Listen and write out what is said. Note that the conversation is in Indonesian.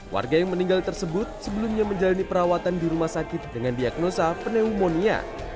warga yang meninggal tersebut sebelumnya menjalani perawatan di rumah sakit dengan diagnosa pneumonia